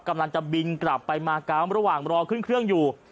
กำลังจะบินกลับไปมากรรมระหว่างรอขึ้นเครื่องอยู่